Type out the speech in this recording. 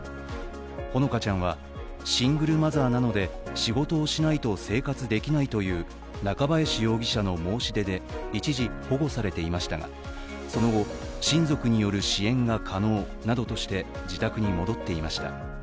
ほのかちゃんは、シングルマザーなので、仕事をしないと生活できないという中林容疑者の申し出で一時保護されていましたが、その後、親族による支援が可能などとして自宅に戻っていました。